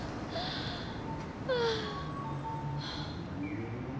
はあ。